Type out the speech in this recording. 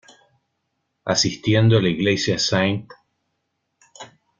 Asistiendo a la iglesia St.